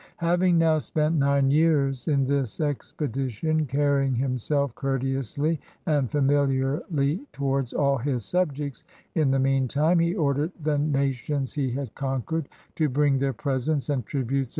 Having now spent nine years in this expedition (carry ing himself courteously and familiarly towards all his subjects in the mean time), he ordered the nations he had conquered to bring their presents and tributes every * About eight feet.